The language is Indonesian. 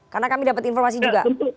karena kami dapat informasi juga